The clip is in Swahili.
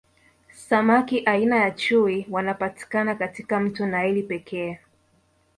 samaki aina ya chui wanapatikana katika mto naili pekee